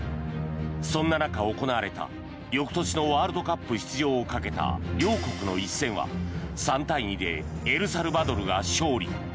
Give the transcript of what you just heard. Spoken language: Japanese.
そんな中行われた、翌年のワールドカップ出場をかけた両国の一戦は３対２でエルサルバドルが勝利。